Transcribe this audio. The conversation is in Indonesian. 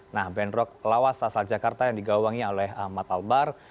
nah band rock lawas asal jakarta yang digawangi oleh ahmad albar